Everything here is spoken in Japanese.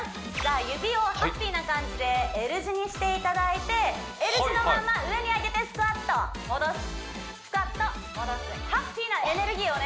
指をハッピーな感じでＬ字にしていただいてＬ字のまま上に上げてスクワット戻すスクワット戻すハッピーなエネルギーをね